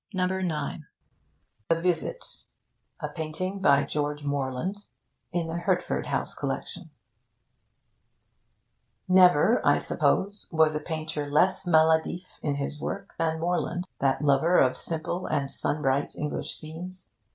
'THE VISIT' A PAINTING BY GEORGE MORLAND, IN THE HERTFORD HOUSE COLLECTION Never, I suppose, was a painter less maladif in his work than Morland, that lover of simple and sun bright English scenes.